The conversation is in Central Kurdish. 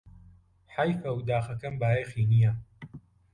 حەیفه و داخەکەم بایەخی نییە